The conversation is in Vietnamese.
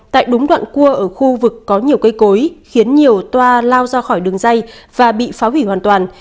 tại đúng đoạn cua ở khu vực có nhiều cây cối khiến nhiều toa lao ra khỏi đường dây và bị phá hủy hoàn toàn